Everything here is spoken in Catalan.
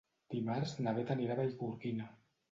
Dimarts na Beth anirà a Vallgorguina.